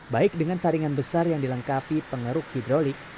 baik dengan saringan besar yang dilengkapi pengeruk hidrolik